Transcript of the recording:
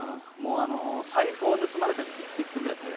財布を盗まれたに匹敵するぐらい最悪。